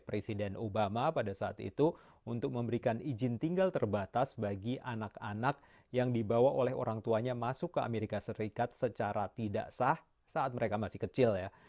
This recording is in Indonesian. presiden obama pada saat itu untuk memberikan izin tinggal terbatas bagi anak anak yang dibawa oleh orang tuanya masuk ke amerika serikat secara tidak sah saat mereka masih kecil ya